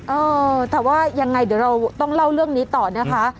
เออแต่ว่ายังไงเดี๋ยวเราต้องเล่าเรื่องนี้ต่อนะคะ